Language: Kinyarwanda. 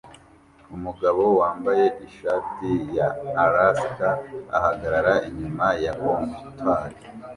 Umugabo wambaye ishati ya Alaska ahagarara inyuma ya comptoir